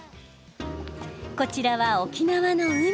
こちらは、沖縄の海。